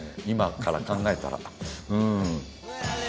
今から考えたら。